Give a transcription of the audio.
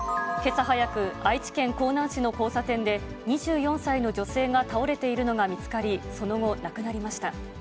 けさ早く、愛知県江南市の交差点で、２４歳の女性が倒れているのが見つかり、その後、亡くなりました。